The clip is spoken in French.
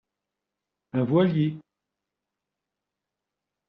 Un voilier.